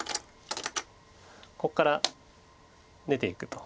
ここから出ていくと。